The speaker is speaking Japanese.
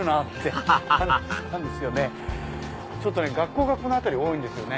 ハハハハ学校がこの辺り多いんですよね。